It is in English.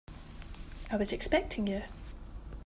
I was expecting you.